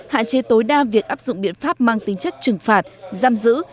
hạn chế tối đa việc áp dụng biện pháp mang tính chất trừng phạt giam giữ